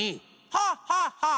ハッハッハッ！